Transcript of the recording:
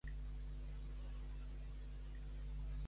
Sobre quin fet parlaran Sarrià i Llach?